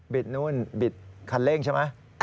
นู่นบิดคันเร่งใช่ไหม